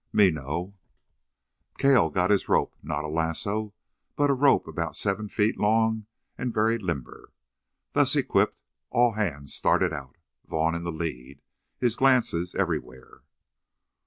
"Me know." Cale got his rope not a lasso, but a rope about seven feet long and very limber. Thus equipped, all hands started out, Vaughn in the lead, his glances everywhere.